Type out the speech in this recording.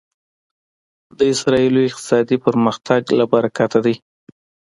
د اسرایلو اقتصادي پرمختګ له برکته دی.